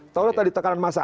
tau lah tadi tekanan masa